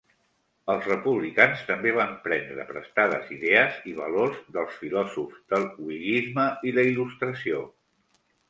Els republicans també van prendre prestades idees i valors dels filòsofs del whiggisme i la il·lustració.